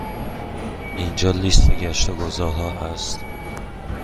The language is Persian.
اینجا لیست گشت و گذار ها است.